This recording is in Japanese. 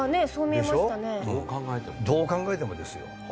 どう考えてもですよ。